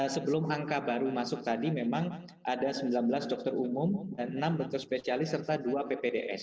sebelum angka baru masuk tadi memang ada sembilan belas dokter umum dan enam dokter spesialis serta dua ppds